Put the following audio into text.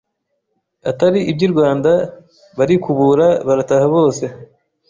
atari iby i Rwanda, barikubura barataha bose.